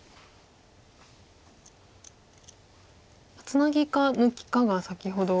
ツナギか抜きかが先ほど。